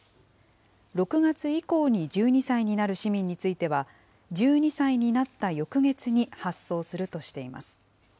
６月以降に１２歳になる市民については、１２歳になった翌月に発送するとしています。